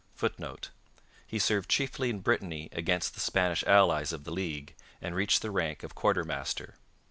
[Footnote: He served chiefly in Brittany against the Spanish allies of the League, and reached the rank of quartermaster.